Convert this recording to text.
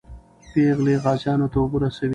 پېغلې غازیانو ته اوبه رسوي.